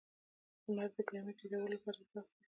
لمر د ګرمۍ ډېرولو لپاره اساس دی.